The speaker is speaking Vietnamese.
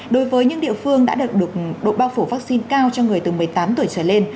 đối với những địa phương đã được độ bao phủ vaccine cao cho người từ một mươi tám tuổi trở lên